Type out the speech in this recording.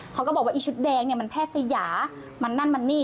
เขาก็บอกว่าไอ้ชุดแดงเนี่ยมันแพทย์สยามันนั่นมันนี่